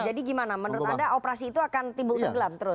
jadi gimana menurut anda operasi itu akan timbul tenggelam terus